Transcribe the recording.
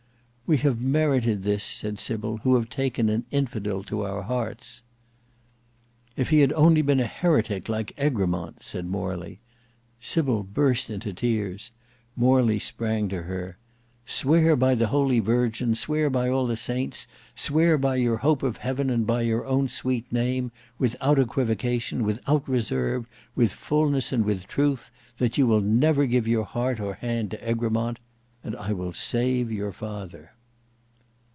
"We have merited this," said Sybil, "who have taken an infidel to our hearts." "If he had only been a heretic, like Egremont!" said Morley. Sybil burst into tears. Morley sprang to her. "Swear by the holy Virgin, swear by all the saints, swear by your hope of heaven and by your own sweet name; without equivocation, without reserve, with fulness and with truth, that you will never give your heart or hand to Egremont;—and I will save your father."